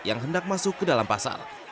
yang hendak masuk ke dalam pasar